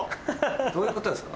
どういうことですか？